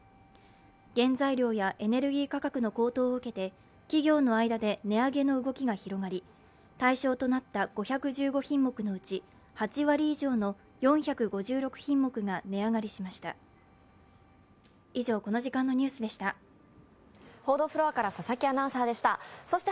原材料やエネルギー価格の高騰を受けて企業の間で値上げの動きが広がり対象となった５１５品目のうち８割以上の４５６品目が値上がりしました。